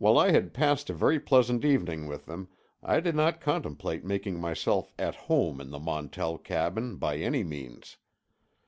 While I had passed a very pleasant evening with them, I did not contemplate making myself at home in the Montell cabin, by any means.